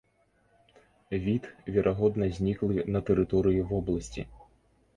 Від, верагодна зніклы на тэрыторыі вобласці.